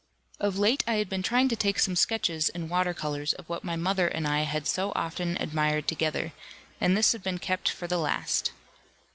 Of late I had been trying to take some sketches in water colours of what my mother and I had so often admired together, and this had been kept for the last.